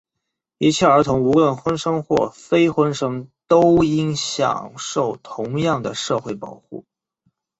一切儿童,无论婚生或非婚生,都应享受同样的社会保护。